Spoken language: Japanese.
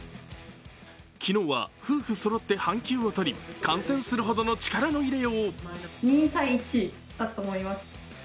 昨日は夫婦そろって半休をとり観戦するほどの力の入れよう。